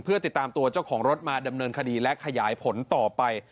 เพื่อติดตามตัวเจ้าของรถมาดำเนินคดีและขยายผลต่อไป